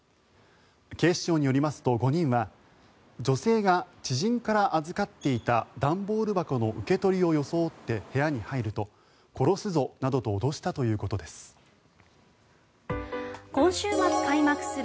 警視庁によりますと、５人は女性が知人から預かっていた段ボール箱の受け取りを装って部屋に入ると殺すぞなどと脅したということです。